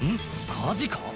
火事か？